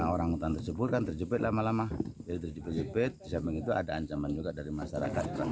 orangutan tersebut kan terjepit lama lama terjepit sampai itu ada ancaman juga dari masyarakat